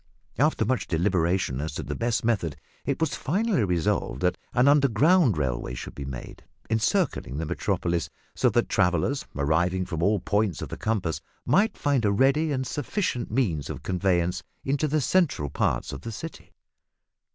After much deliberation as to the best method, it was finally resolved that an underground railway should be made, encircling the Metropolis, so that travellers arriving from all points of the compass might find a ready and sufficient means of conveyance into the central parts of the city.